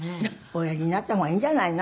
「おやりになった方がいいんじゃないの？」